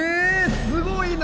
すごいな！